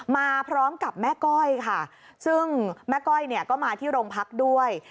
มาพร้อมกับแม่ก้อยค่ะซึ่งแม่ก้อยเนี่ยก็มาที่โรงพักด้วย